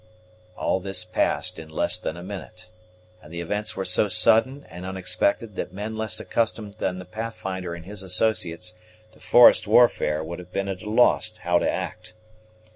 All this passed in less than a minute, and the events were so sudden and unexpected, that men less accustomed than the Pathfinder and his associates to forest warfare would have been at a loss how to act.